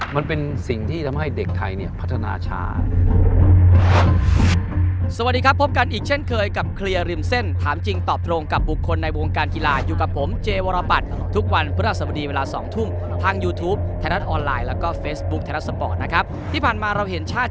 มันเป็นสิ่งที่ทำให้เด็กไทยพัฒนาช้า